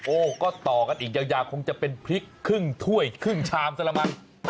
ก็ต่อกันอีกยาวคงจะเป็นพริกครึ่งถ้วยครึ่งชามซะละมั้ง